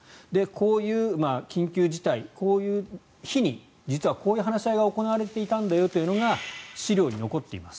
こういう緊急事態、こういう日に実はこういう話し合いが行われていたんだよというのが資料に残っています。